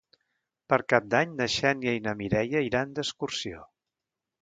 Per Cap d'Any na Xènia i na Mireia iran d'excursió.